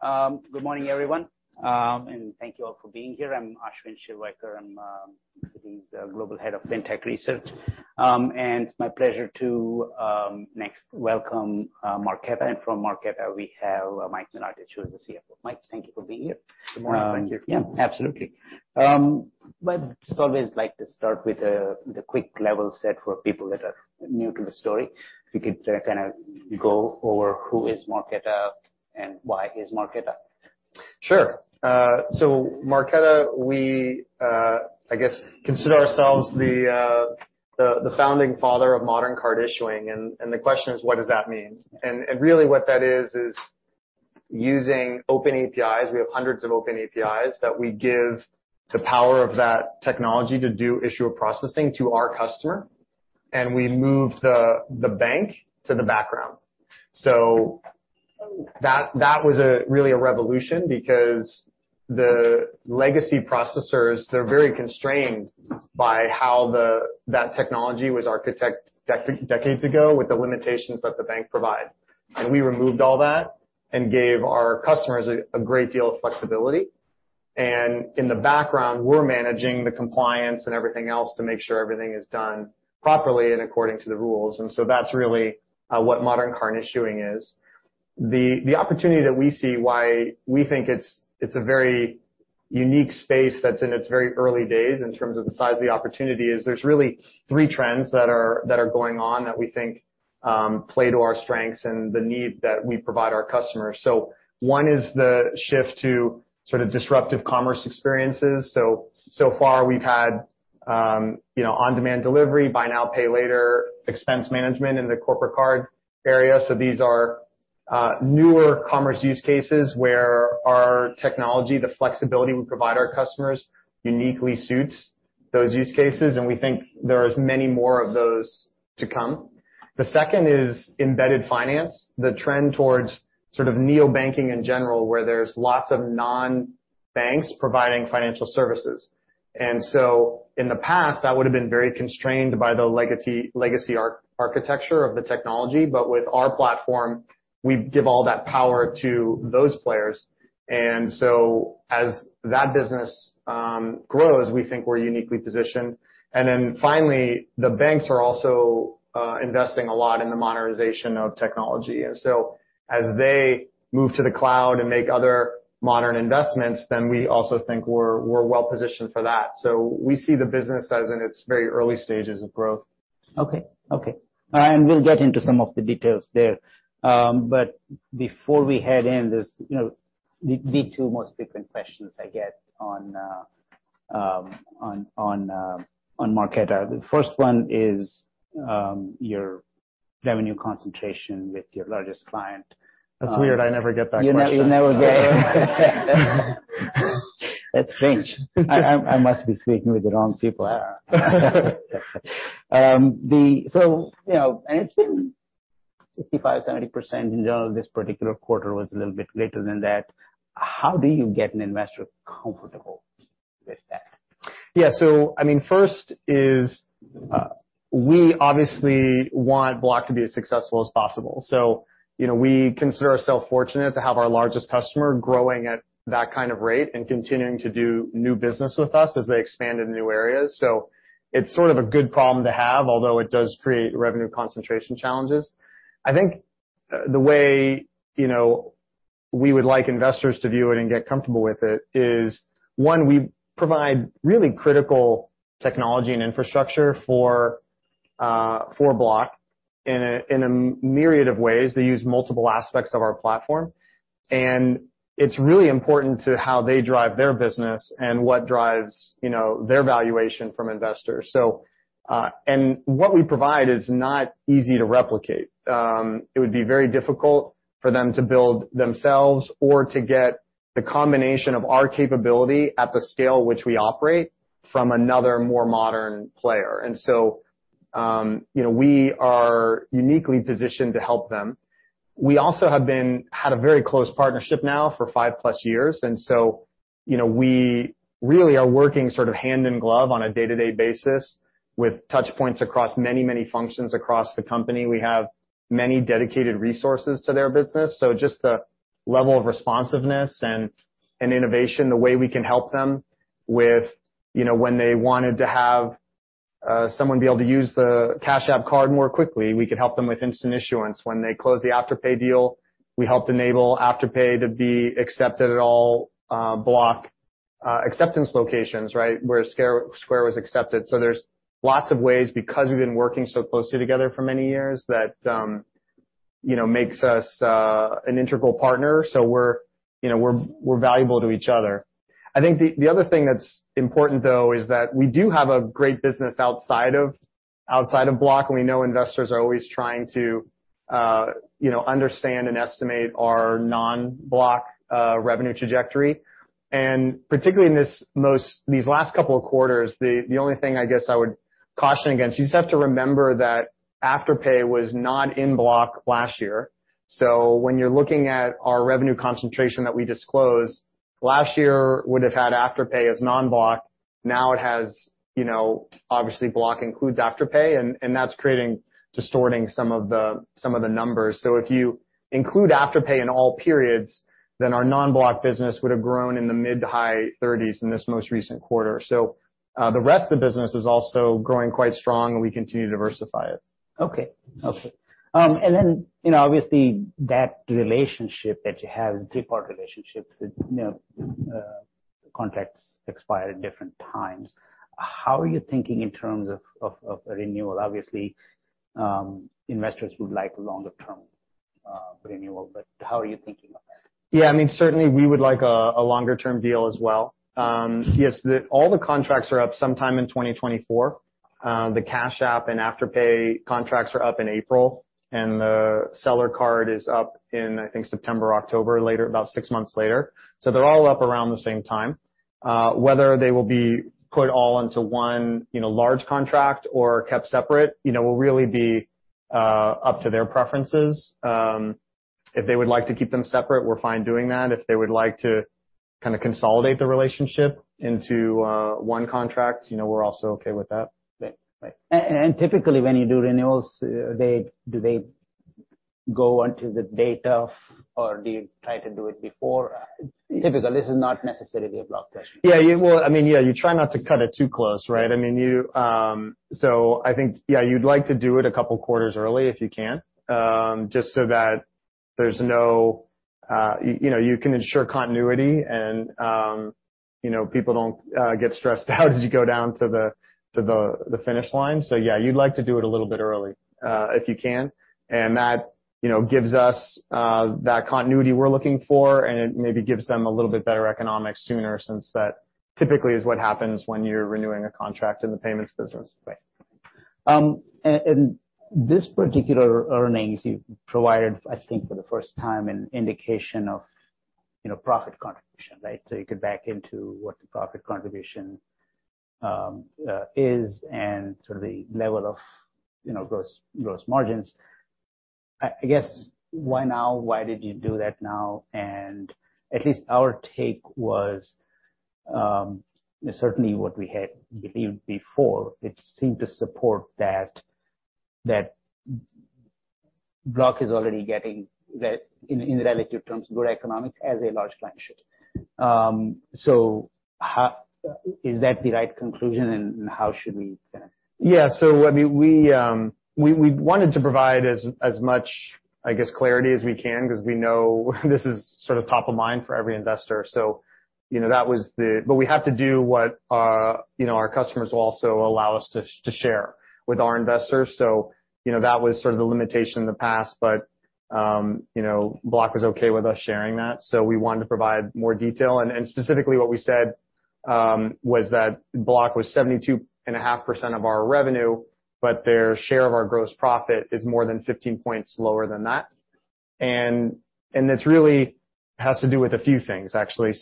Good morning, everyone, and thank you all for being here. I'm Ashwin Shirvaikar. I'm today's Global Head of Fintech Research. It's my pleasure to next welcome Marqeta. From Marqeta, we have Mike Milotich, who is the CFO. Mike, thank you for being here. Good morning. Thank you. Yeah, absolutely. Just always like to start with the quick level set for people that are new to the story. If you could kinda go over who is Marqeta and why is Marqeta? Sure. So Marqeta, we, I guess consider ourselves the founding father of modern card issuing. The question is, what does that mean? Really, what that is using open APIs. We have hundreds of open APIs that we give the power of that technology to do issuer processing to our customer, and we move the bank to the background. That was a real revolution because the legacy processors, they're very constrained by how that technology was architected decades ago with the limitations that the bank provide. We removed all that and gave our customers a great deal of flexibility. In the background, we're managing the compliance and everything else to make sure everything is done properly and according to the rules. That's really what modern card issuing is. The opportunity that we see why we think it's a very unique space that's in its very early days in terms of the size of the opportunity is there's really three trends that are going on that we think play to our strengths and the need that we provide our customers. One is the shift to sort of disruptive commerce experiences. So far we've had, you know, on-demand delivery, Buy Now, Pay Later, Expense Management in the corporate card area. These are newer commerce use cases where our technology, the flexibility we provide our customers, uniquely suits those use cases, and we think there's many more of those to come. The second is embedded finance, the trend towards sort of neobanking in general, where there's lots of non-banks providing financial services. In the past, that would've been very constrained by the legacy architecture of the technology. With our platform, we give all that power to those players. As that business grows, we think we're uniquely positioned. Finally, the banks are also investing a lot in the modernization of technology. As they move to the cloud and make other modern investments, we also think we're well-positioned for that. We see the business as in its very early stages of growth. Okay. We'll get into some of the details there. Before we head in, there's, you know, the two most frequent questions I get on Marqeta. The first one is your revenue concentration with your largest client. That's weird. I never get that question. You never get it? That's strange. I must be speaking with the wrong people. You know, and it's been 65%-70% in general. This particular quarter was a little bit greater than that. How do you get an investor comfortable with that? Yeah. I mean, first is, we obviously want Block to be as successful as possible. You know, we consider ourselves fortunate to have our largest customer growing at that kind of rate and continuing to do new business with us as they expand into new areas. It's sort of a good problem to have, although it does create revenue concentration challenges. I think the way, you know, we would like investors to view it and get comfortable with it is, one, we provide really critical technology and infrastructure for Block in a myriad of ways. They use multiple aspects of our platform, and it's really important to how they drive their business and what drives their valuation from investors. What we provide is not easy to replicate. It would be very difficult for them to build themselves or to get the combination of our capability at the scale which we operate from another more modern player. You know, we are uniquely positioned to help them. We also had a very close partnership now for 5+ years. You know, we really are working sort of hand in glove on a day-to-day basis with touch points across many, many functions across the company. We have many dedicated resources to their business, so just the level of responsiveness and innovation, the way we can help them with, you know, when they wanted to have someone be able to use the Cash App card more quickly, we could help them with instant issuance. When they closed the Afterpay deal, we helped enable Afterpay to be accepted at all Block acceptance locations, right, where Square was accepted. There's lots of ways, because we've been working so closely together for many years that, you know, makes us an integral partner, so we're, you know, we're valuable to each other. I think the other thing that's important though is that we do have a great business outside of Block. We know investors are always trying to, you know, understand and estimate our non-Block revenue trajectory. Particularly in these last couple of quarters, the only thing I guess I would caution against, you just have to remember that Afterpay was not in Block last year. When you're looking at our revenue concentration that we disclosed, last year would have had Afterpay as non-Block. Now it has, you know, obviously Block includes Afterpay, and that's distorting some of the numbers. If you include Afterpay in all periods, then our non-Block business would have grown in the mid- to high 30s% in this most recent quarter. The rest of the business is also growing quite strong, and we continue to diversify it. Okay. You know, obviously that relationship that you have, three-part relationship with, you know, contracts expire at different times. How are you thinking in terms of a renewal? Obviously, investors would like longer-term renewal, but how are you thinking of that? Yeah, I mean, certainly we would like a longer-term deal as well. Yes, all the contracts are up sometime in 2024. The Cash App and Afterpay contracts are up in April, and the Seller Card is up in, I think, September or October, later, about six months later. They're all up around the same time. Whether they will be put all into one, you know, large contract or kept separate, you know, will really be up to their preferences. If they would like to keep them separate, we're fine doing that. If they would like to kind of consolidate the relationship into one contract, you know, we're also okay with that. Right. And typically when you do renewals, do they go onto the date of or do you try to do it before? Typically, this is not necessarily a Block question. Yeah, well, I mean, yeah, you try not to cut it too close, right? I mean, I think, yeah, you'd like to do it a couple quarters early if you can, just so that there's no, you know, you can ensure continuity and, you know, people don't get stressed out as you go down to the finish line. Yeah, you'd like to do it a little bit early, if you can. That, you know, gives us that continuity we're looking for, and it maybe gives them a little bit better economics sooner, since that typically is what happens when you're renewing a contract in the payments business. Right. This particular earnings you provided, I think for the first time, an indication of, you know, profit contribution, right? You could back into what the profit contribution is and sort of the level of, you know, gross margins. I guess, why now? Why did you do that now? At least our take was, certainly what we had believed before, it seemed to support that Block is already getting the, in relative terms, good economics as a large flagship. How is that the right conclusion, and how should we kinda- Yeah. I mean, we wanted to provide as much, I guess, clarity as we can because we know this is sort of top of mind for every investor. You know, that was the. We have to do what you know, our customers will also allow us to share with our investors. You know, that was sort of the limitation in the past, but you know, Block was okay with us sharing that. We wanted to provide more detail. Specifically what we said was that Block was 72.5% of our revenue, but their share of our gross profit is more than 15 points lower than that. This really has to do with a few things, actually.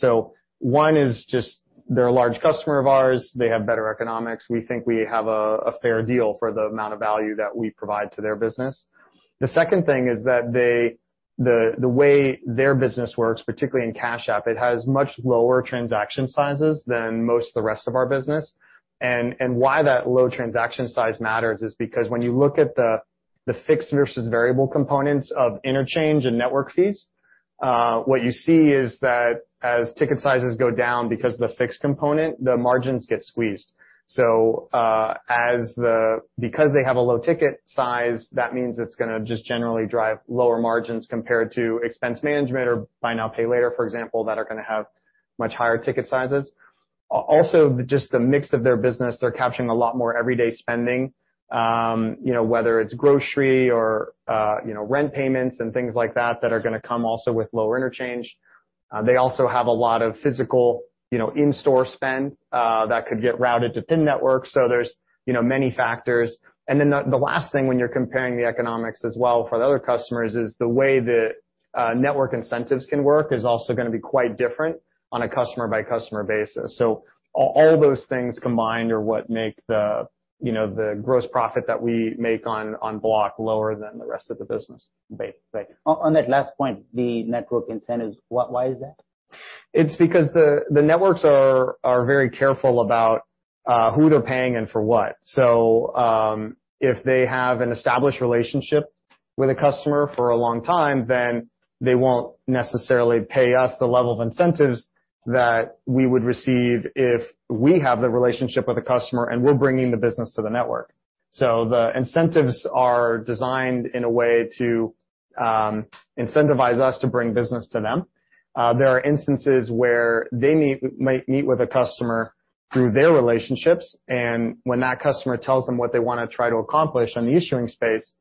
One is just they're a large customer of ours, they have better economics. We think we have a fair deal for the amount of value that we provide to their business. The second thing is that the way their business works, particularly in Cash App, it has much lower transaction sizes than most of the rest of our business. Why that low transaction size matters is because when you look at the fixed versus variable components of interchange and network fees, what you see is that as ticket sizes go down because of the fixed component, the margins get squeezed. Because they have a low ticket size, that means it's gonna just generally drive lower margins compared to Expense Management or Buy Now, Pay Later, for example, that are gonna have much higher ticket sizes. Also, just the mix of their business, they're capturing a lot more everyday spending, you know, whether it's grocery or, you know, rent payments and things like that are gonna come also with lower interchange. They also have a lot of physical, you know, in-store spend, that could get routed to PIN network. There's, you know, many factors. Then the last thing when you're comparing the economics as well for the other customers is the way the network incentives can work is also gonna be quite different on a customer-by-customer basis. All those things combined are what make the, you know, the gross profit that we make on Block lower than the rest of the business. Right. On that last point, the network incentives, why is that? It's because the networks are very careful about who they're paying and for what. If they have an established relationship with a customer for a long time, then they won't necessarily pay us the level of incentives that we would receive if we have the relationship with the customer and we're bringing the business to the network. The incentives are designed in a way to incentivize us to bring business to them. There are instances where they might meet with a customer through their relationships, and when that customer tells them what they wanna try to accomplish on the issuing space,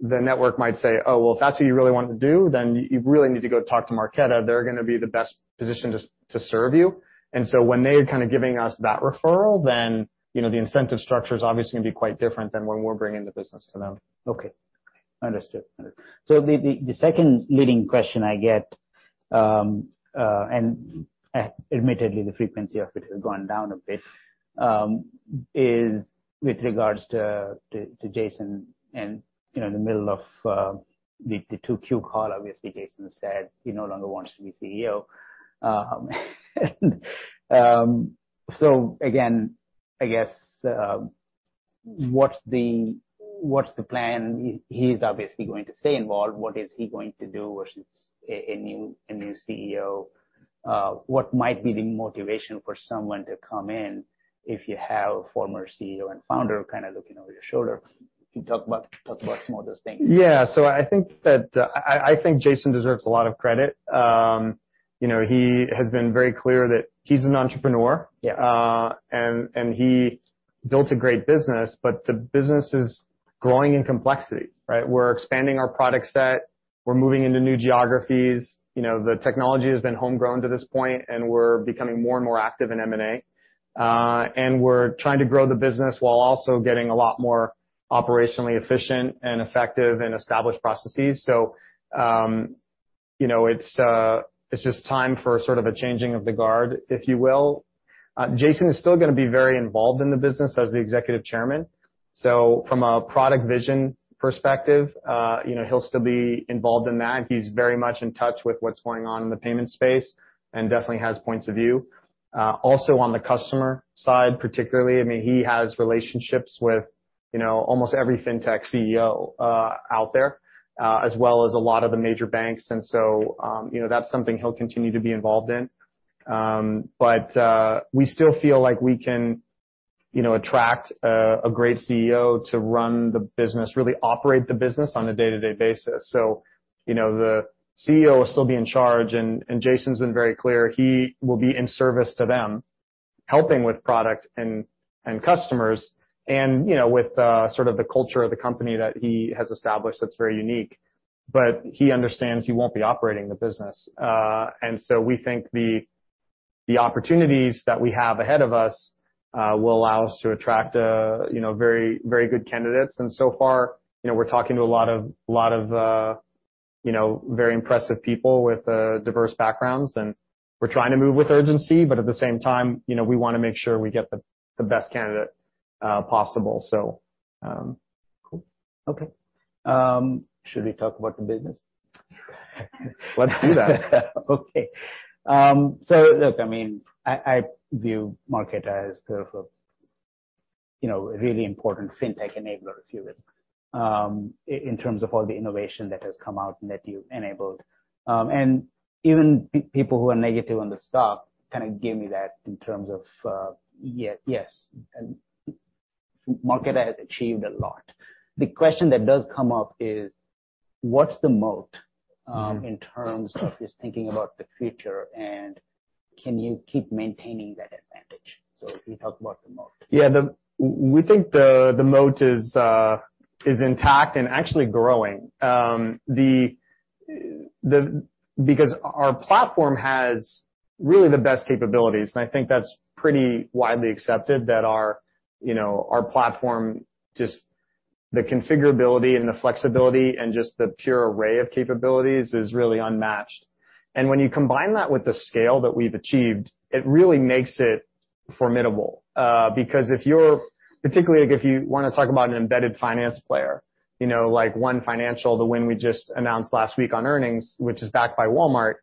the network might say, "Oh, well, if that's what you really want to do, then you really need to go talk to Marqeta. They're gonna be the best position to serve you. When they're kind of giving us that referral, then, you know, the incentive structure is obviously gonna be quite different than when we're bringing the business to them. Okay. Understood. The second leading question I get, and admittedly, the frequency of it has gone down a bit, is with regards to Jason and, you know, in the middle of the 2Q call, obviously Jason said he no longer wants to be CEO. Again, I guess, what's the plan? He is obviously going to stay involved. What is he going to do versus a new CEO? What might be the motivation for someone to come in if you have former CEO and founder kind of looking over your shoulder? Can you talk about some of those things? Yeah. I think Jason deserves a lot of credit. You know, he has been very clear that he's an entrepreneur. Yeah. He built a great business, but the business is growing in complexity, right? We're expanding our product set. We're moving into new geographies. You know, the technology has been homegrown to this point, and we're becoming more and more active in M&A. We're trying to grow the business while also getting a lot more operationally efficient and effective in established processes. You know, it's just time for sort of a changing of the guard, if you will. Jason is still gonna be very involved in the business as the executive chairman. From a product vision perspective, you know, he'll still be involved in that. He's very much in touch with what's going on in the payment space and definitely has points of view. Also on the customer side, particularly, I mean, he has relationships with, you know, almost every fintech CEO out there, as well as a lot of the major banks and so, you know, that's something he'll continue to be involved in. We still feel like we can, you know, attract a great CEO to run the business, really operate the business on a day-to-day basis. You know, the CEO will still be in charge, and Jason's been very clear he will be in service to them, helping with product and customers and, you know, with sort of the culture of the company that he has established that's very unique. He understands he won't be operating the business. We think the opportunities that we have ahead of us will allow us to attract, you know, very good candidates. So far, you know, we're talking to a lot of, you know, very impressive people with diverse backgrounds, and we're trying to move with urgency, but at the same time, you know, we wanna make sure we get the best candidate possible. Cool. Okay. Should we talk about the business? Let's do that. Okay. Look, I mean, I view Marqeta as sort of a, you know, a really important fintech enabler, if you will, in terms of all the innovation that has come out and that you've enabled. Even people who are negative on the stock kinda give me that in terms of, yes, Marqeta has achieved a lot. The question that does come up is what's the moat, in terms of just thinking about the future, and can you keep maintaining that advantage? Can you talk about the moat? Yeah. We think the moat is intact and actually growing. Because our platform has really the best capabilities, and I think that's pretty widely accepted that our, you know, our platform, just the configurability and the flexibility and just the pure array of capabilities is really unmatched. When you combine that with the scale that we've achieved, it really makes it formidable. Particularly like if you wanna talk about an embedded finance player, you know, like ONE Financial, the win we just announced last week on earnings, which is backed by Walmart.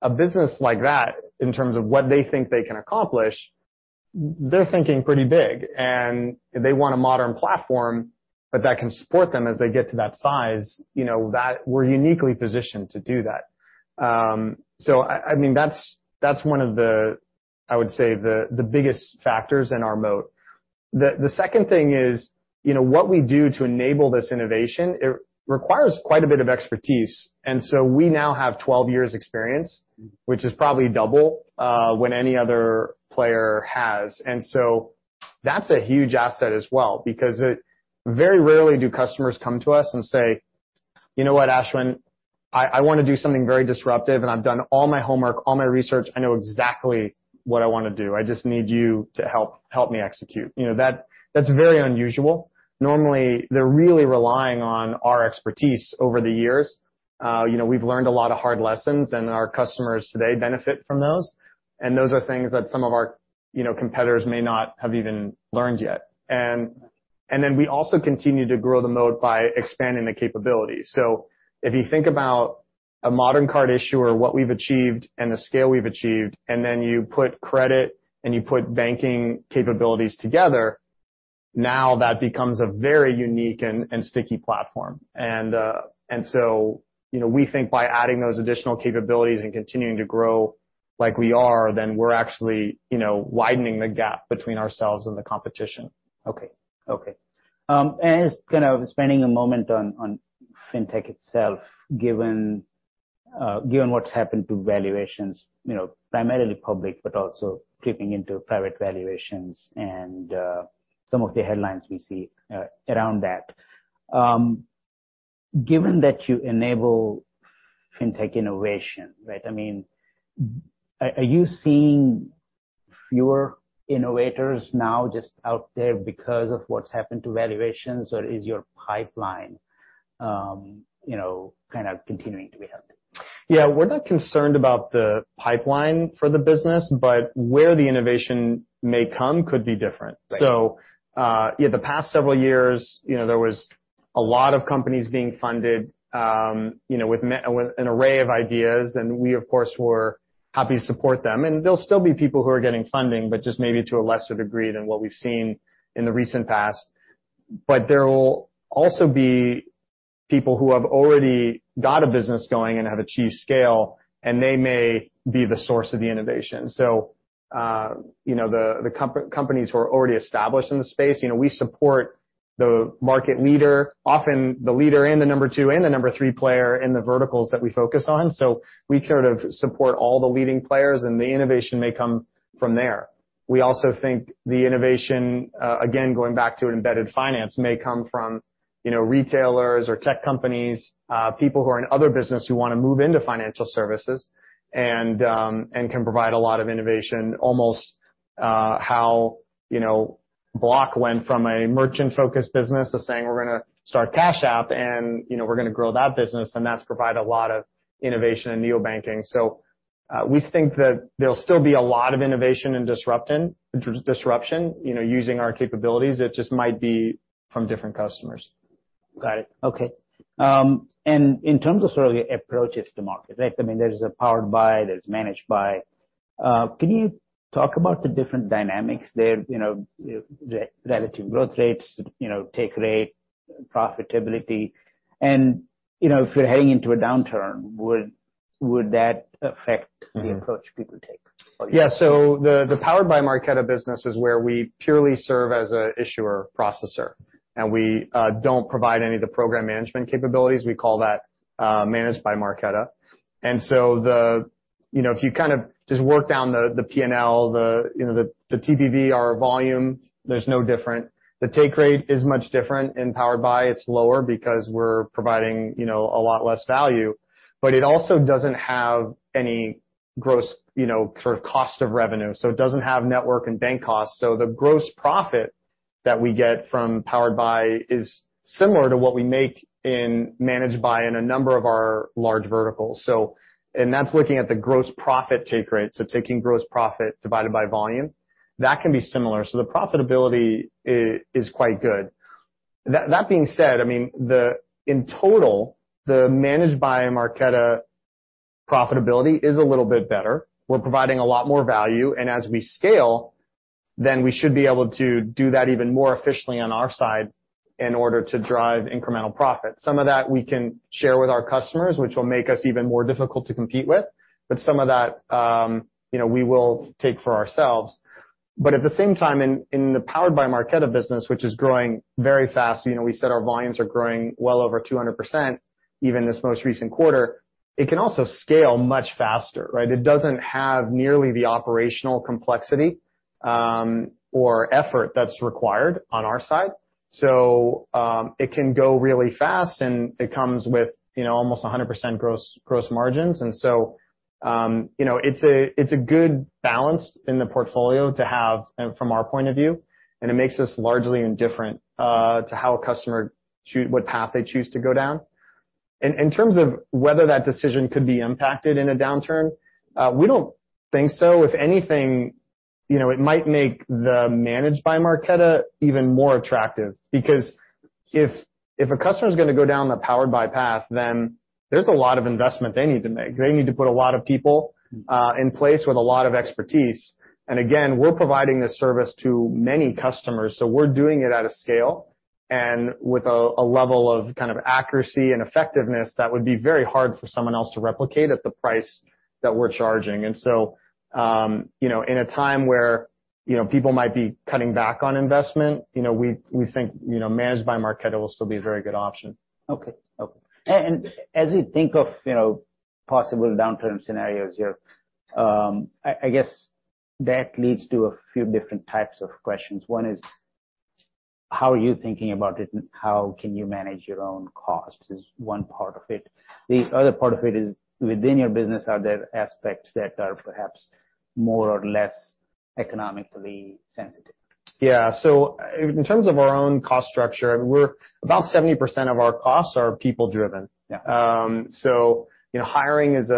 A business like that in terms of what they think they can accomplish, they're thinking pretty big, and they want a modern platform, but that can support them as they get to that size, you know, that we're uniquely positioned to do that. I mean, that's one of the, I would say, the biggest factors in our moat. The second thing is, you know, what we do to enable this innovation. It requires quite a bit of expertise, and so we now have 12 years experience, which is probably double what any other player has. That's a huge asset as well because it very rarely do customers come to us and say, "You know what, Ashwin? I wanna do something very disruptive, and I've done all my homework, all my research. I know exactly what I wanna do. I just need you to help me execute." You know, that's very unusual. Normally, they're really relying on our expertise over the years. You know, we've learned a lot of hard lessons, and our customers today benefit from those. Those are things that some of our, you know, competitors may not have even learned yet. We also continue to grow the moat by expanding the capabilities. If you think about a modern card issuer, what we've achieved and the scale we've achieved, and then you put credit and you put banking capabilities together, now that becomes a very unique and sticky platform. You know, we think by adding those additional capabilities and continuing to grow like we are, then we're actually, you know, widening the gap between ourselves and the competition. Okay. Just kind of spending a moment on fintech itself, given what's happened to valuations, you know, primarily public, but also creeping into private valuations and some of the headlines we see around that. Given that you enable fintech innovation, right? I mean, are you seeing fewer innovators now just out there because of what's happened to valuations, or is your pipeline, you know, kind of continuing to be healthy? Yeah. We're not concerned about the pipeline for the business, but where the innovation may come could be different. Right. Yeah, the past several years, you know, there was a lot of companies being funded, you know, with an array of ideas, and we of course were happy to support them. There'll still be people who are getting funding, but just maybe to a lesser degree than what we've seen in the recent past. There will also be people who have already got a business going and have achieved scale, and they may be the source of the innovation. You know, the companies who are already established in the space, you know, we support the market leader, often the leader and the number two and the number three player in the verticals that we focus on. We sort of support all the leading players, and the innovation may come from there. We also think the innovation, again, going back to embedded finance, may come from, you know, retailers or tech companies, people who are in other business who wanna move into financial services and can provide a lot of innovation almost, how, you know, Block went from a merchant-focused business to saying, "We're gonna start Cash App, and, you know, we're gonna grow that business," and that's provided a lot of innovation in neobanking. We think that there'll be a lot of innovation and disruption, you know, using our capabilities. It just might be from different customers. Got it. Okay. In terms of sort of your approaches to market, right? I mean, there's a Powered By, there's Managed By. Can you talk about the different dynamics there, you know, relative growth rates, you know, take rate, profitability? You know, if you're heading into a downturn, would that affect- Mm-hmm. The approach people take? Yeah. The Powered By Marqeta business is where we purely serve as an issuer processor, and we don't provide any of the program management capabilities. We call that Managed By Marqeta. You know, if you kind of just work down the P&L, the TPV, our volume, there's no difference. The take rate is much different in Powered By. It's lower because we're providing a lot less value. But it also doesn't have any gross sort of cost of revenue. It doesn't have network and bank costs. The gross profit that we get from Powered By is similar to what we make in Managed By in a number of our large verticals. That's looking at the gross profit take rate, so taking gross profit divided by volume. That can be similar, so the profitability is quite good. That being said, I mean, in total, the Managed By Marqeta profitability is a little bit better. We're providing a lot more value, and as we scale, then we should be able to do that even more efficiently on our side in order to drive incremental profit. Some of that we can share with our customers, which will make us even more difficult to compete with. But some of that, you know, we will take for ourselves. But at the same time, in the Powered By Marqeta business, which is growing very fast, you know, we said our volumes are growing well over 200%, even this most recent quarter, it can also scale much faster, right? It doesn't have nearly the operational complexity or effort that's required on our side. It can go really fast, and it comes with, you know, almost 100% gross margins. It's a good balance in the portfolio to have from our point of view, and it makes us largely indifferent to how a customer chooses what path they choose to go down. In terms of whether that decision could be impacted in a downturn, we don't think so. If anything, you know, it might make the Managed By Marqeta even more attractive because if a customer's gonna go down the Powered By Marqeta path, then there's a lot of investment they need to make. They need to put a lot of people in place with a lot of expertise. Again, we're providing this service to many customers, so we're doing it at a scale and with a level of kind of accuracy and effectiveness that would be very hard for someone else to replicate at the price that we're charging. You know, in a time where, you know, people might be cutting back on investment, you know, we think, you know, Managed By Marqeta will still be a very good option. Okay. As we think of, you know, possible downturn scenarios here, I guess that leads to a few different types of questions. One is, how are you thinking about it and how can you manage your own costs is one part of it. The other part of it is, within your business, are there aspects that are perhaps more or less economically sensitive? Yeah. In terms of our own cost structure, we're about 70% of our costs are people-driven. Yeah. You know, hiring is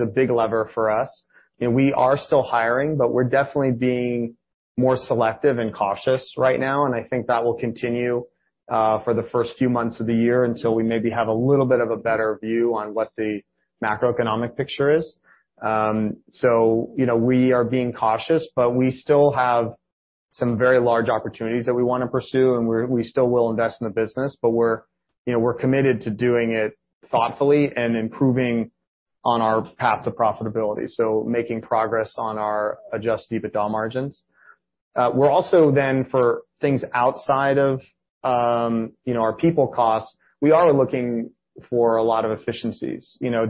a big lever for us. You know, we are still hiring, but we're definitely being more selective and cautious right now, and I think that will continue for the first few months of the year until we maybe have a little bit of a better view on what the macroeconomic picture is. You know, we are being cautious, but we still have some very large opportunities that we wanna pursue, and we still will invest in the business. We're, you know, we're committed to doing it thoughtfully and improving on our path to profitability, so making progress on our adjusted EBITDA margins. We're also then, for things outside of, you know, our people costs, we are looking for a lot of efficiencies. You know,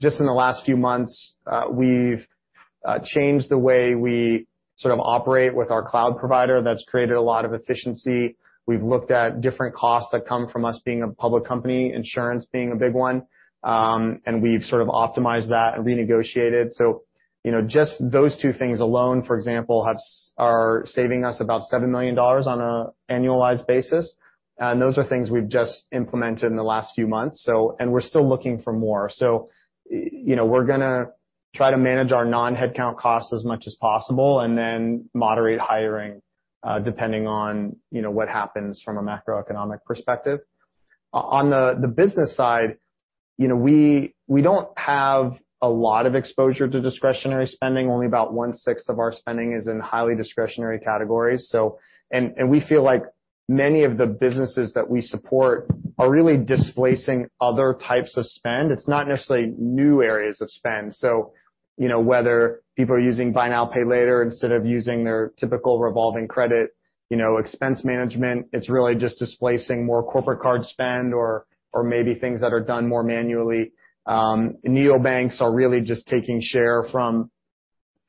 just in the last few months, we've changed the way we sort of operate with our cloud provider. That's created a lot of efficiency. We've looked at different costs that come from us being a public company, insurance being a big one, and we've sort of optimized that and renegotiated. You know, just those two things alone, for example, are saving us about $7 million on an annualized basis. Those are things we've just implemented in the last few months. We're still looking for more. You know, we're going to try to manage our non-headcount costs as much as possible, and then moderate hiring, depending on, you know, what happens from a macroeconomic perspective. On the business side, you know, we don't have a lot of exposure to discretionary spending. Only about one-sixth of our spending is in highly discretionary categories. We feel like many of the businesses that we support are really displacing other types of spend. It's not necessarily new areas of spend. You know, whether people are using Buy Now, Pay Later instead of using their typical revolving credit, you know, Expense Management, it's really just displacing more corporate card spend or maybe things that are done more manually. Neobanks are really just taking share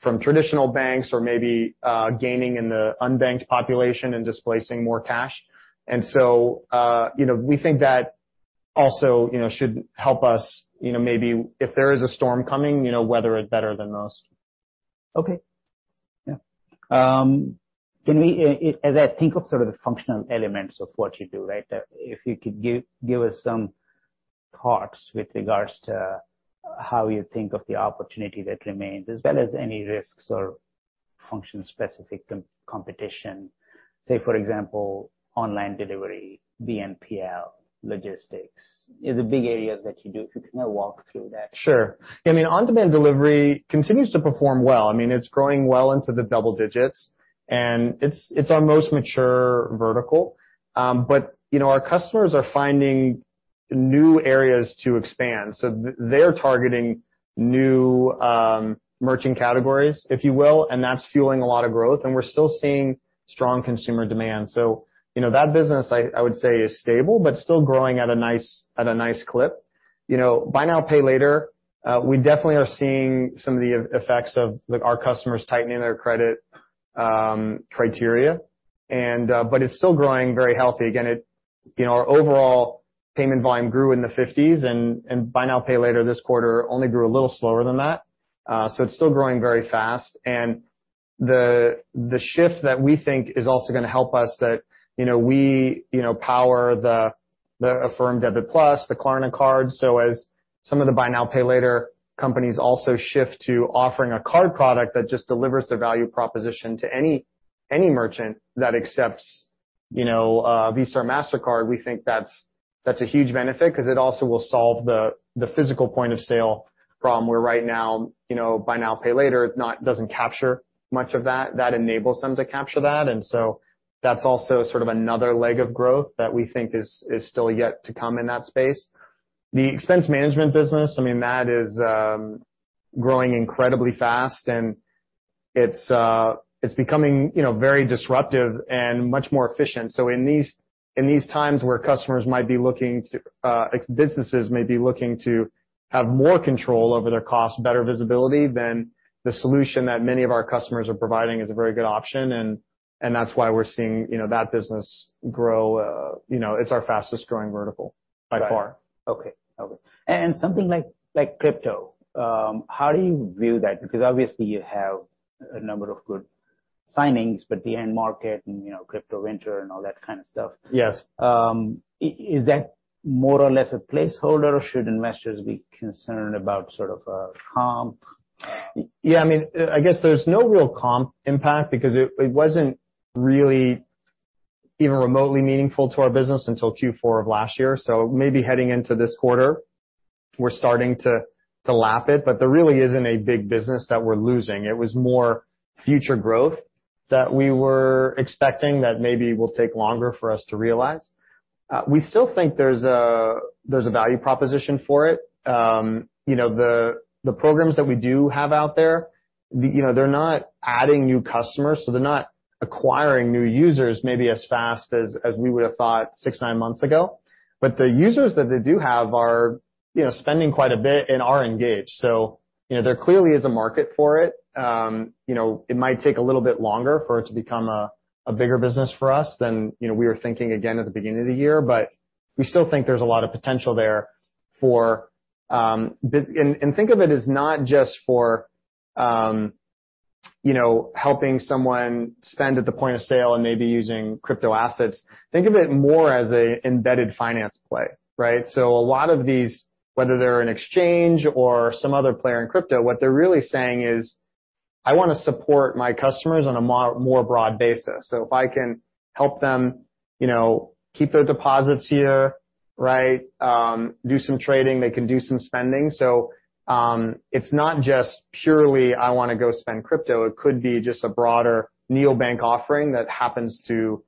from traditional banks or maybe gaining in the unbanked population and displacing more cash. You know, we think that also should help us, you know, maybe if there is a storm coming, you know, weather it better than most. Okay. Yeah. As I think of sort of the functional elements of what you do, right? If you could give us some thoughts with regards to how you think of the opportunity that remains, as well as any risks or function-specific competition. Say, for example, online delivery, BNPL, logistics. These are big areas that you do. If you can kind of walk through that. Sure. I mean, on-demand delivery continues to perform well. I mean, it's growing well into the double digits, and it's our most mature vertical. You know, our customers are finding new areas to expand, so they're targeting new merchant categories, if you will, and that's fueling a lot of growth. We're still seeing strong consumer demand. You know, that business I would say is stable, but still growing at a nice clip. You know, Buy Now, Pay Later, we definitely are seeing some of the effects of our customers tightening their credit criteria and but it's still growing very healthy. You know, our overall payment volume grew in the 50s% and Buy Now, Pay Later this quarter only grew a little slower than that. It's still growing very fast. The shift that we think is also gonna help us, you know, we power the Affirm Debit+, the Klarna Card. As some of the Buy Now, Pay Later companies also shift to offering a card product that just delivers their value proposition to any merchant that accepts, you know, Visa or Mastercard, we think that's a huge benefit 'cause it also will solve the physical point-of-sale problem, where right now, you know, Buy Now, Pay Later doesn't capture much of that. That enables them to capture that, and so that's also sort of another leg of growth that we think is still yet to come in that space. The Expense Management business, I mean, that is growing incredibly fast and it's becoming, you know, very disruptive and much more efficient. In these times where businesses may be looking to have more control over their costs, better visibility, then the solution that many of our customers are providing is a very good option. That's why we're seeing, you know, that business grow. It's our fastest growing vertical by far. Okay. Something like crypto, how do you view that? Because obviously you have a number of good signings, but the end market and, you know, crypto winter and all that kind of stuff. Yes. Is that more or less a placeholder, or should investors be concerned about sort of a comp? Yeah, I mean, I guess there's no real comp impact because it wasn't really even remotely meaningful to our business until Q4 of last year. Maybe heading into this quarter we're starting to lap it, but there really isn't a big business that we're losing. It was more future growth that we were expecting that maybe will take longer for us to realize. We still think there's a value proposition for it. You know, the programs that we do have out there, you know, they're not adding new customers, so they're not acquiring new users maybe as fast as we would have thought six, nine months ago. The users that they do have are, you know, spending quite a bit and are engaged. You know, there clearly is a market for it. You know, it might take a little bit longer for it to become a bigger business for us than you know, we were thinking again at the beginning of the year. We still think there's a lot of potential there. Think of it as not just for you know, helping someone spend at the point of sale and maybe using crypto assets. Think of it more as a embedded finance play, right? A lot of these, whether they're an exchange or some other player in crypto, what they're really saying is, "I wanna support my customers on a more broad basis. If I can help them you know, keep their deposits here, right? Do some trading, they can do some spending." It's not just purely, I wanna go spend crypto. It could be just a broader neobank offering that happens to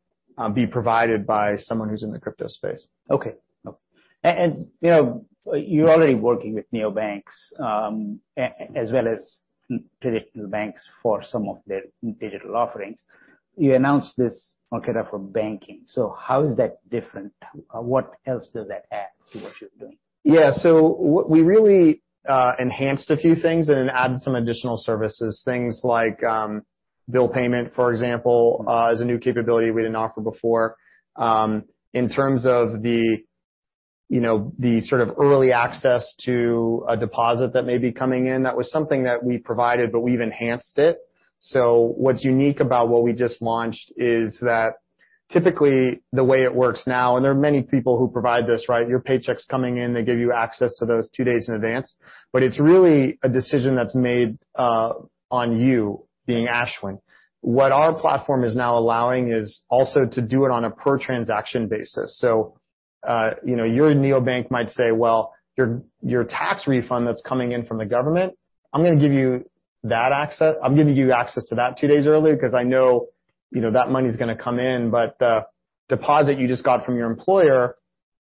be provided by someone who's in the crypto space. Okay. You know, you're already working with neobanks, as well as traditional banks for some of their digital offerings. You announced this Marqeta for Banking. How is that different? What else does that add to what you're doing? Yeah. We really enhanced a few things and then added some additional services. Things like bill payment, for example, is a new capability we didn't offer before. In terms of the, you know, the sort of early access to a deposit that may be coming in, that was something that we provided, but we've enhanced it. What's unique about what we just launched is that typically the way it works now, and there are many people who provide this, right? Your paycheck's coming in, they give you access to those two days in advance. It's really a decision that's made on you being Ashwin. What our platform is now allowing is also to do it on a per transaction basis. You know, your neobank might say, well, your tax refund that's coming in from the government, I'm gonna give you access to that two days earlier 'cause I know, you know, that money's gonna come in. The deposit you just got from your employer,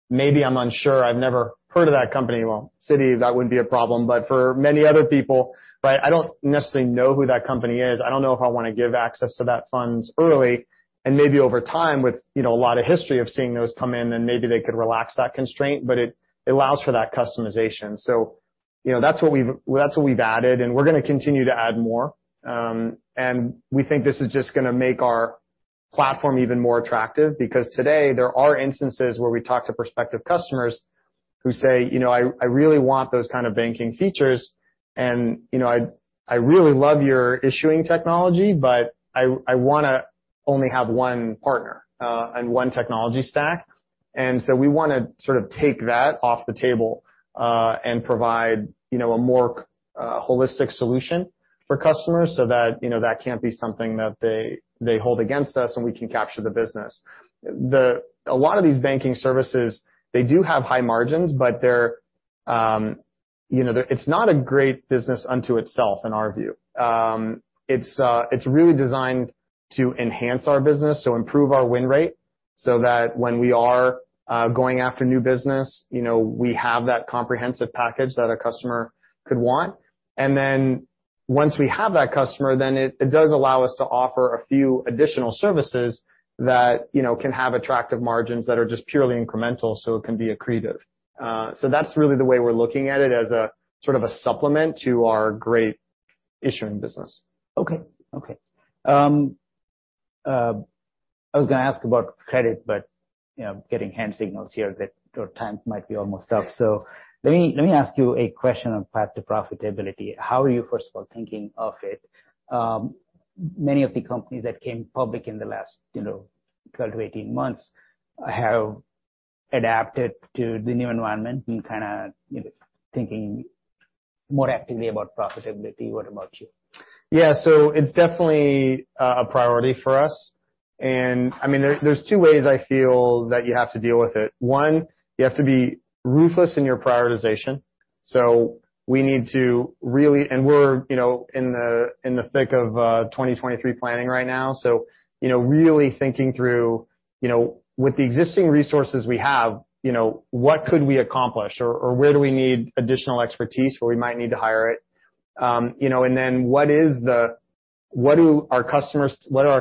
maybe I'm unsure. I've never heard of that company. Well, Citi, that wouldn't be a problem, but for many other people, right, I don't necessarily know who that company is. I don't know if I wanna give access to that funds early and maybe over time with, you know, a lot of history of seeing those come in, then maybe they could relax that constraint, but it allows for that customization. You know, that's what we've added, and we're gonna continue to add more. We think this is just gonna make our platform even more attractive because today there are instances where we talk to prospective customers who say, "You know, I really want those kind of banking features, and you know, I really love your issuing technology, but I wanna only have one partner and one technology stack." We wanna sort of take that off the table and provide you know, a more holistic solution for customers so that you know, that can't be something that they hold against us and we can capture the business. A lot of these banking services, they do have high margins, but they're you know, it's not a great business unto itself in our view. It's really designed to enhance our business, so improve our win rate so that when we are going after new business, you know, we have that comprehensive package that a customer could want. Once we have that customer, it does allow us to offer a few additional services that, you know, can have attractive margins that are just purely incremental, so it can be accretive. That's really the way we're looking at it as a sort of a supplement to our great issuing business. Okay. I was gonna ask about credit, but you know, getting hand signals here that your time might be almost up. Let me ask you a question on path to profitability. How are you first of all thinking of it? Many of the companies that came public in the last, you know, 12-18 months have adapted to the new environment and kinda, you know, thinking more actively about profitability. What about you? Yeah. It's definitely a priority for us. I mean, there's two ways I feel that you have to deal with it. One, you have to be ruthless in your prioritization. We're, you know, in the thick of 2023 planning right now. You know, really thinking through, you know, with the existing resources we have, you know, what could we accomplish or where do we need additional expertise where we might need to hire it? You know, and then what are our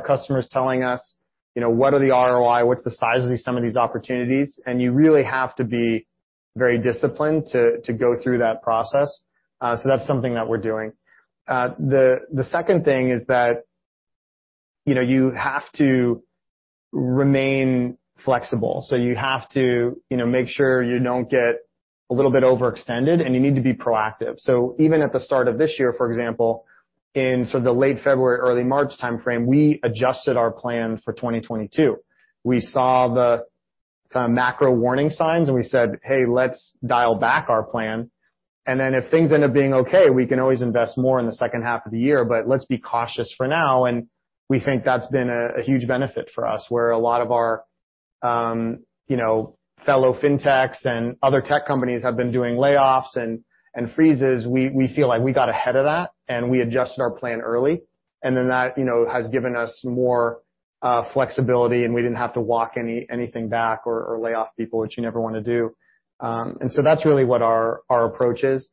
customers telling us? You know, what are the ROI? What's the size of the sum of these opportunities? You really have to be very disciplined to go through that process. That's something that we're doing. The second thing is that, you know, you have to remain flexible. You have to, you know, make sure you don't get a little bit overextended, and you need to be proactive. Even at the start of this year, for example, in sort of the late February, early March timeframe, we adjusted our plan for 2022. We saw the kind of macro warning signs and we said, "Hey, let's dial back our plan. Then if things end up being okay, we can always invest more in the second half of the year, but let's be cautious for now." We think that's been a huge benefit for us, where a lot of our, you know, fellow fintechs and other tech companies have been doing layoffs and freezes. We feel like we got ahead of that, and we adjusted our plan early. That, you know, has given us more flexibility, and we didn't have to walk anything back or lay off people, which you never wanna do. That's really what our approach is.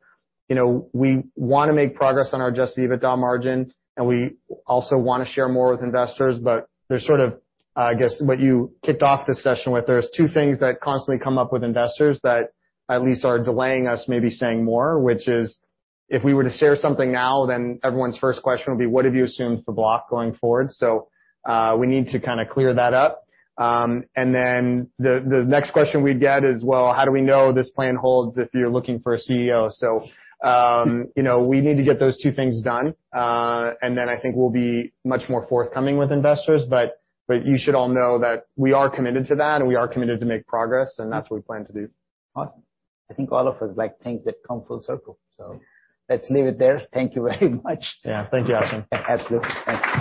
You know, we wanna make progress on our adjusted EBITDA margin, and we also wanna share more with investors. There's sort of, I guess what you kicked off this session with, there's two things that constantly come up with investors that at least are delaying us maybe saying more, which is if we were to share something now, then everyone's first question would be, what have you assumed for Block going forward? We need to kinda clear that up. The next question we'd get is, "Well, how do we know this plan holds if you're looking for a CEO?" You know, we need to get those two things done. I think we'll be much more forthcoming with investors. You should all know that we are committed to that, and we are committed to make progress, and that's what we plan to do. Awesome. I think all of us like things that come full circle. Let's leave it there. Thank you very much. Yeah. Thank you, Ashwin. Absolutely. Thanks.